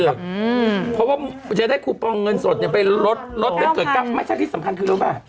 เพราะว่าจะได้คูปองเงินสดไปลดลดแล้วเกิดไม่ใช่ที่สำคัญคือรู้ป่ะ